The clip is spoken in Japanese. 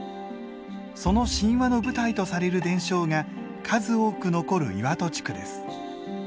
その神話の舞台とされる伝承が数多く残る岩戸地区です。